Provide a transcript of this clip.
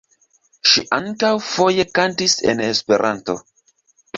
Ŝi ankaŭ foje kantis en Esperanto.